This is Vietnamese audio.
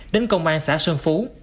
đến công an xã sơn phú